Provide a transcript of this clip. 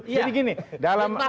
jadi gini dalam